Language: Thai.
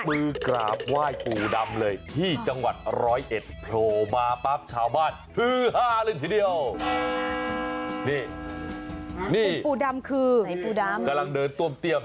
ลบมือกราบไหว้ปู่ดำเลยที่จังหวัดร้อยเอ็ดโทมาปั๊บชาวบ้านฮือฮ่าเลยทีเดียว